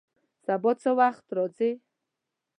سبا څه وخت راځئ؟